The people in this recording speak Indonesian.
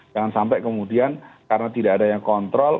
jangan sampai kemudian karena tidak ada yang kontrol